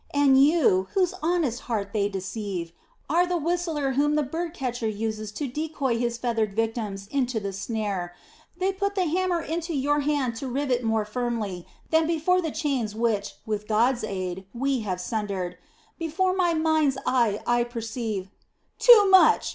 And you, whose honest heart they deceive, are the whistler whom the bird catcher uses to decoy his feathered victims into the snare. They put the hammer into your hand to rivet more firmly than before the chains which, with God's aid, we have sundered. Before my mind's eye I perceive...." "Too much!"